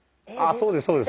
あそうです